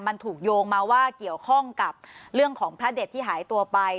มันถูกโยงมาว่าเกี่ยวข้องกับเรื่องของพระเด็ดที่หายตัวไป